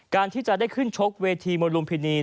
การที่จะได้ขึ้นชกเวทีมวยลุมพินี